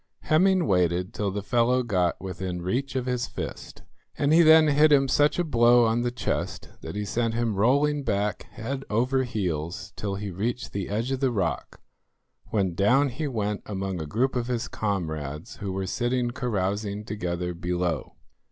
Hemming waited till the fellow got within reach of his fist, and he then hit him such a blow on the chest that he sent him rolling back head over heels till he reached the edge of the rock, when down he went among a group of his comrades, who were sitting carousing together below.